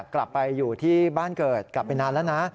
กลับไปอยู่ที่บ้านเกิดกลับไปนานแล้วนะ